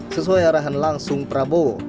sesuai arahan langsung prabowo